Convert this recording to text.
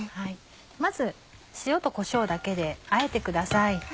まず塩とこしょうだけであえてください。